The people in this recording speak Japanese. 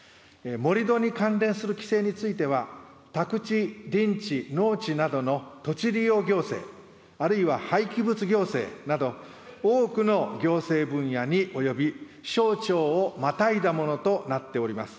盛土に関連する規制については、宅地、林地、農地などの土地利用行政、あるいは廃棄物行政など、多くの行政分野に及び、省庁をまたいだものとなっております。